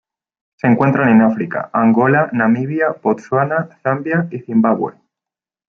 Se encuentran en África: Angola, Namibia, Botsuana, Zambia y Zimbabue